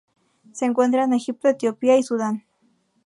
Se encuentra en Egipto, Etiopía y Sudán.